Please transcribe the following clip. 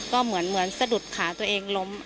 ก็เหมือนสะดุดขาตัวเองล้ม